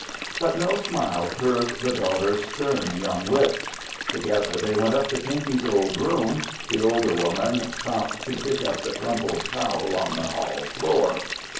But no smile curved the daughter's stern young lips. Together they went up to Pinky's old room (the older woman stopped to pick up the crumpled towel on the hall floor).